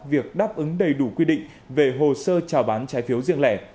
việc đáp ứng đầy đủ quy định về hồ sơ trào bán trái phiếu riêng lẻ